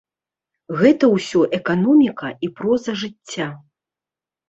Гэта ўсё эканоміка і проза жыцця.